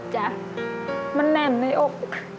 จ้ะมันแน่นในอก